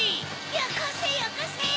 よこせよこせ！